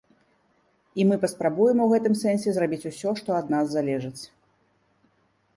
І мы паспрабуем у гэтым сэнсе зрабіць усё, што ад нас залежыць.